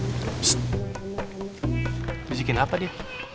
pst bikin apa dia